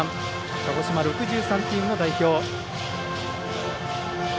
鹿児島の６３チームの代表。